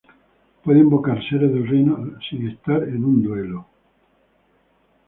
Puede Invocar seres del Reino de las Sombras sin estar en un Duelo.